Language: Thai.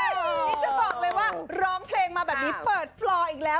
นี่จะบอกเลยว่าร้องเพลงมาแบบนี้เปิดฟลออีกแล้ว